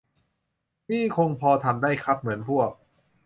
นี่คงพอทำได้ครับ เหมือนพวก